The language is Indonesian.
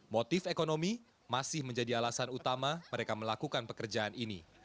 motif ekonomi masih menjadi alasan utama mereka melakukan pekerjaan ini